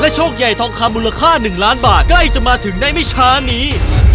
โชคใหญ่ทองคำมูลค่า๑ล้านบาทใกล้จะมาถึงได้ไม่ช้านี้